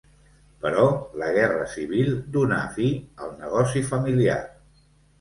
Però la Guerra Civil donà fi al negoci familiar.